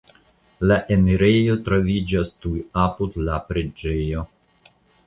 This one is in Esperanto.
La enirejo troviĝas tuj apud la preĝejo.